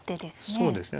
そうですね。